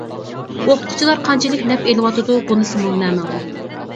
ئوقۇتقۇچىلار قانچىلىك نەپ ئېلىۋاتىدۇ، بۇنىسى ماڭا نامەلۇم.